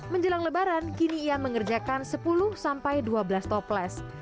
menjelang lebaran kini ia mengerjakan sepuluh sampai dua belas toples